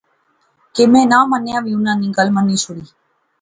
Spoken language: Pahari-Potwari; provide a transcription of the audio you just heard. کہ میں ناں منیاں وی انیں نی گل منی شوڑی